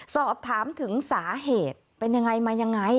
สอบถามถึงสาเหตุเป็นยังไงมายังไง